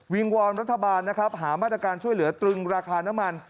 วิงวอลรัฐบาลหามาตรการช่วยเหลือตรึงราคาน้ำมัน